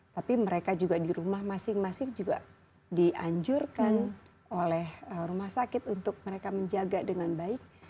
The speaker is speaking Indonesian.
tapi mereka juga di rumah masing masing juga dianjurkan oleh rumah sakit untuk mereka menjaga dengan baik